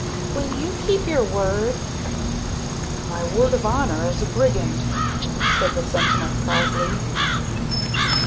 "Will you keep your word?" "My word of honor as a brigand," said the sentinel proudly.